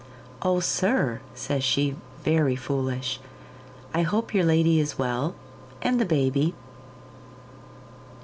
'Oh, sir,' says she, very foolish, 'I hope your lady is well, and the baby.